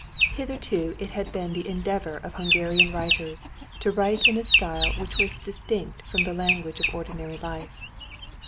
Hitherto it had been the endeavour of Hungarian writers to write in a style which was distinct from the language of ordinary life.